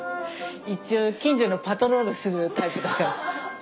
一応近所のパトロールするタイプだから。